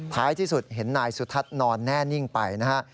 ท้ายที่สุดเห็นนายสุทัศน์นอนแน่นิ่งไปนะฮะ